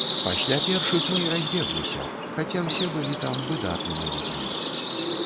Пасля першых мы і разбегліся, хаця ўсе былі там выдатнымі людзьмі.